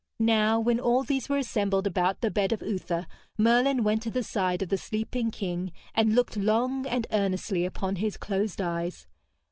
Now, when all these were assembled about the bed of Uther, Merlin went to the side of the sleeping king, and looked long and earnestly upon his closed eyes.